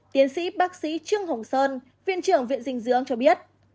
tiến sĩ bác sĩ trương hồng sơn viện trưởng viện dinh dưỡng cho biết